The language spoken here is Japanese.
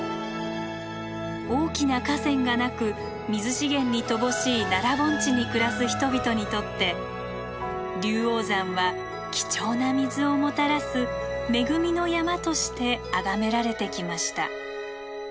大きな河川がなく水資源に乏しい奈良盆地に暮らす人々にとって龍王山は貴重な水をもたらす恵みの山としてあがめられてきました。